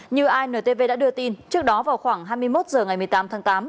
như intv đã đưa tin trước đó vào khoảng hai mươi một h ngày một mươi tám tháng tám